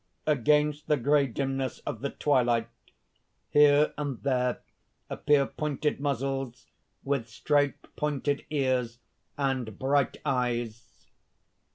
(_Against the grey dimness of the twilight, here and there appear pointed muzzles, with straight, pointed ears and bright eyes.